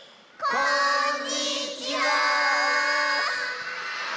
こんにちは！